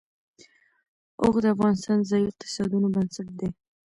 اوښ د افغانستان د ځایي اقتصادونو بنسټ دی.